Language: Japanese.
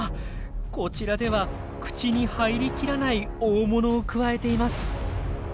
こちらでは口に入りきらない大物をくわえています。